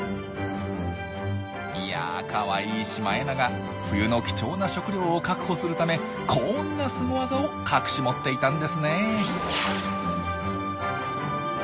いやあかわいいシマエナガ冬の貴重な食料を確保するためこんなスゴ技を隠し持っていたんですねえ。